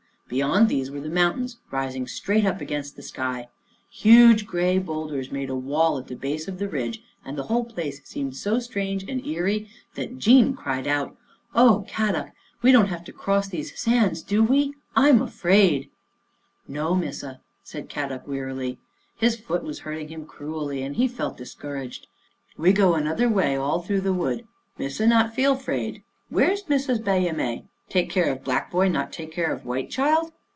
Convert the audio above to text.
Beyond these were the mountains, rising straight up against the sky. Huge gray boulders made a wall at the base Dandy Saves the Day 119 of the ridge and the whole place seemed so strange and eerie that Jean cried out, " Oh, Kadok, we don't have to cross these sands, do we? I'm afraid." " No, Missa," said Kadok wearily. His foot was hurting him cruelly and he felt discouraged. " We go another way, all through the wood. Missa not feel 'fraid. Where Missa's Baiame? Take care of black boy, not take care of white child?"